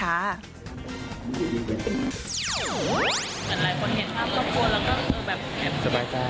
หลายคนเห็นครอบครัวแล้วก็เห็นสบายใจ